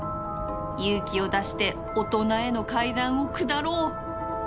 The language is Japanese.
勇気を出して大人への階段を下ろう